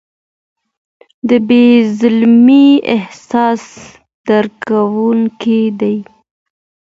د بې نظمۍ احساس ډارونکی دی.